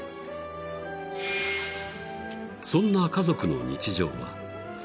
［そんな家族の日常は］